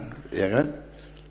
juga kurang begitu baik